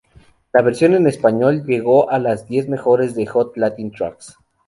La versión en español llegó a las diez mejores de Hot Latin Tracks.